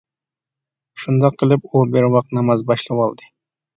شۇنداق قىلىپ ئۇ بىر ۋاق ناماز باشلىۋالدى.